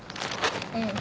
うん。